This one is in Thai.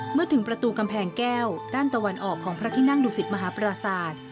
เมื่อถึงประตูกำแพงแก้วด้านตะวันออกของพระที่นั่งดุสิตมหาปราศาสตร์